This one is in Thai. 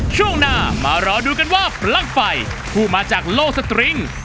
ช่วงหน้ามารอดูกันว่าปลั๊กไฟผู้มาจากโลกสตริง